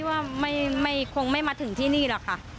บริเวณหน้าสารพระการอำเภอเมืองจังหวัดลบบุรี